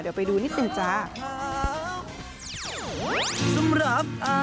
เดี๋ยวไปดูนิดนึงจ้า